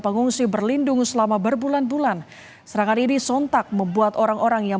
pengungsi berlindung selama berbulan bulan serangan ini sontak membuat orang orang yang